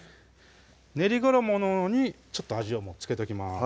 練り衣のほうにちょっと味を付けときます